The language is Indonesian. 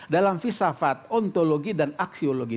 dalam filsafat ontologi dan aksiologi